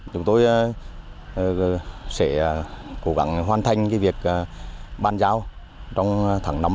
chúng tôi sẽ cố gắng hoàn thành việc bàn giao trong tháng năm năm hai nghìn hai mươi bốn